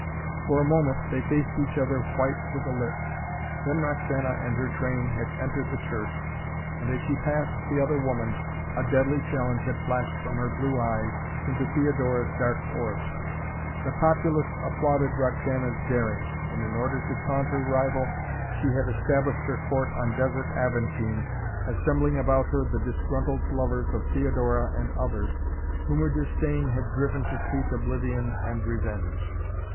For a moment they faced each other white to the lips. Then Roxana and her train had entered the church, and as she passed the other woman, a deadly challenge had flashed from her blue eyes into Theodora's dark orbs. The populace applauded Roxana's daring, and, in order to taunt her rival, she had established her court on desert Aventine, assembling about her the disgruntled lovers of Theodora and others, whom her disdain had driven to seek oblivion and revenge.